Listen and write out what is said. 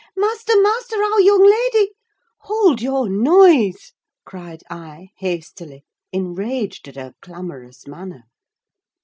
Master, master, our young lady—" "Hold your noise!" cried I hastily, enraged at her clamorous manner.